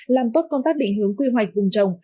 làm tốt công tác định hướng quy hoạch vùng trồng